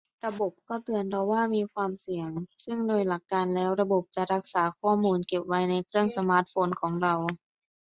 ระบบก็จะเตือนเราว่ามีความเสี่ยง ซึ่งโดยหลักการแล้วระบบจะรักษาข้อมูลเก็บไว้ในเครื่องสมาร์ทโฟนของเรา